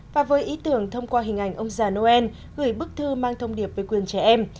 và với ý tưởng thông qua hình ảnh ông già noel gửi bức thư mang thông điệp về quyền trẻ em